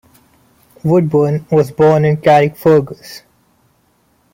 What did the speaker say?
Woodburne was born in Carrickfergus.